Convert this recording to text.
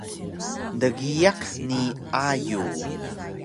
Dgiyaq ni ayug